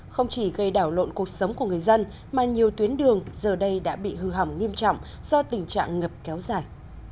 không chỉ gây đảo lộn cuộc sống của người dân mà nhiều tuyến đường giờ đây đã bị hư hỏng nghiêm trọng do tình trạng ngập kéo dài